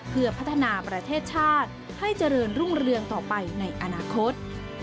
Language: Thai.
เพื่อพัฒนาประเทศชาติให้เจริญรุ่งเรืองต่อไปในอนาคต